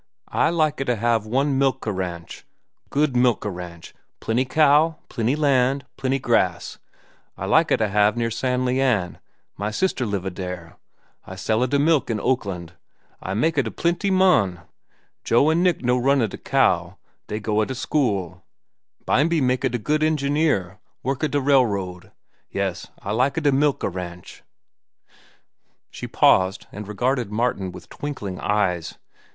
"I lika da have one milka ranch—good milka ranch. Plenty cow, plenty land, plenty grass. I lika da have near San Le an; my sister liva dere. I sella da milk in Oakland. I maka da plentee mon. Joe an' Nick no runna da cow. Dey go a to school. Bimeby maka da good engineer, worka da railroad. Yes, I lika da milka ranch." She paused and regarded Martin with twinkling eyes.